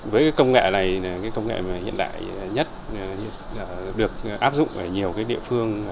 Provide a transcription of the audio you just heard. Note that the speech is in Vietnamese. với công nghệ này công nghệ hiện đại nhất được áp dụng ở nhiều địa phương